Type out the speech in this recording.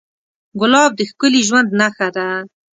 ګلاب د ښکلي ژوند نښه ده.